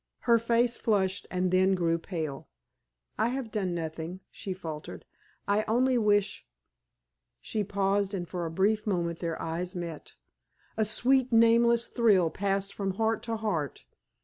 Her face flushed, and then grew pale. "I have done nothing," she faltered. "I only wish " She paused, and for a brief moment their eyes met. A sweet, nameless thrill passed from heart to heart.